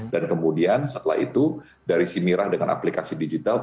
dan kemudian setelah itu dari simirah dengan aplikasi digital